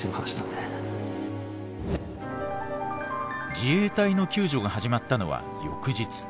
自衛隊の救助が始まったのは翌日。